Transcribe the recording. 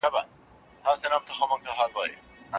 د تګلارو څارنه سياستوالو ته د خپلو تېروتنو يادونه کوي.